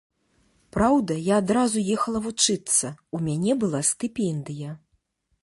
Праўда, я адразу ехала вучыцца, у мяне была стыпендыя.